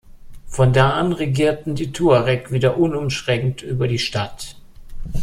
Von da an regierten die Tuareg wieder unumschränkt über die Stadt.